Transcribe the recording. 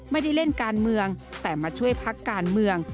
ไม่ได้เล่นการเมืองแต่มาช่วยพักการเมือง